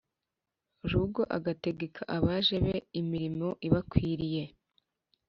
Rugo agategeka abaja be imirimo ibakwiriye